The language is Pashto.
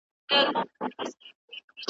د سپوږمۍ کلي ته نه ورځي وګړي `